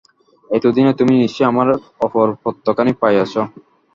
এতদিনে তুমি নিশ্চয়ই আমার অপর পত্রখানি পাইয়াছ।